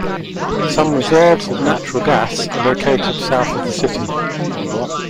Some reserves of natural gas are located south of the city.